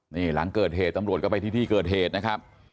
นี่หลังเกิดเหตุตำรวจก็ไปที่ที่เกิดเหตุนะครับ